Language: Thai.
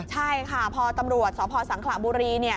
ใช่ค่ะพอตำรวจสพสังขระบุรี